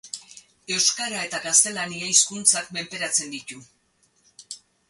Euskara eta gaztelania hizkuntzak menperatzen ditu.